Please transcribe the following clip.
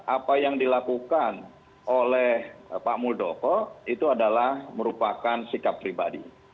apa yang dilakukan oleh pak muldoko itu adalah merupakan sikap pribadi